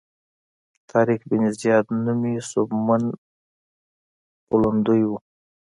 طارق بن زیاد نومي سوبمن بولندوی و.